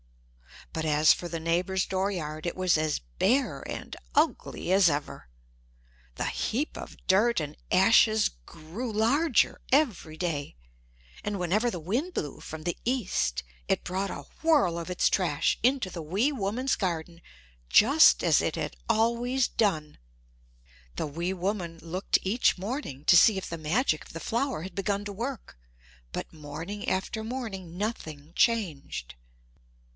But as for the neighbor's dooryard it was as bare and ugly as ever. The heap of dirt and ashes grew larger every day; and whenever the wind blew from the east it brought a whirl of its trash into the wee woman's garden just as it had always done. The wee woman looked each morning to see if the magic of the flower had begun to work but morning after morning nothing changed.